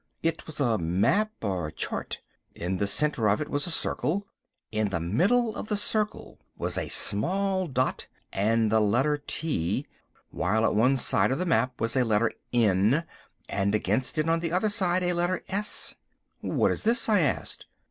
It was a map or chart. In the centre of it was a circle. In the middle of the circle was a small dot and a letter T, while at one side of the map was a letter N, and against it on the other side a letter S. "What is this?" I asked.